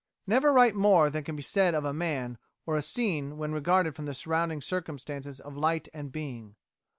Never write more than can be said of a man or a scene when regarded from the surrounding circumstances of light and being.